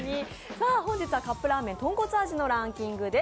本日はカップラーメンとんこつ味のランキングです。